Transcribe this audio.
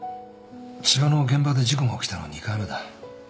千葉の現場で事故が起きたのは２回目だ。